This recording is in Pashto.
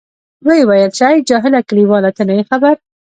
ویې ویل، چې آی جاهله کلیواله ته نه یې خبر.